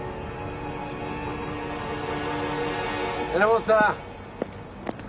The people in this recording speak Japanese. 榎本さん。